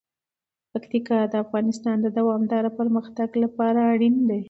پکتیکا د افغانستان د دوامداره پرمختګ لپاره اړین دي.